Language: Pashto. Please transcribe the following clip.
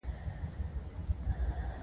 ځان پاک ساتئ